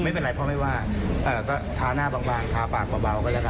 ไม่เป็นไรพ่อไม่ว่าก็ทาหน้าบางทาปากเบาก็แล้วกัน